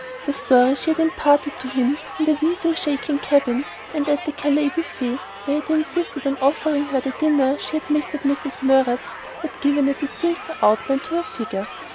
The story she had imparted to him in the wheezing shaking cabin, and at the Calais buffet where he had insisted on offering her the dinner she had missed at Mrs. Murrett's had given a distincter outline to her figure.